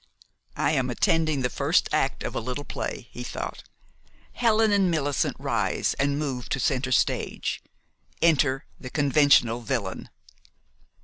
"I am attending the first act of a little play," he thought. "Helen and Millicent rise and move to center of stage; enter the conventional villain."